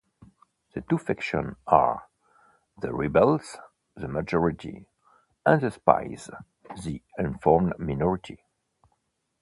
The two factions are: the Rebels, the majority; and the Spies, the informed minority.